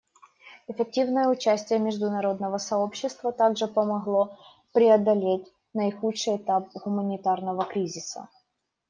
Эффективное участие международного сообщества также помогло преодолеть наихудший этап гуманитарного кризиса.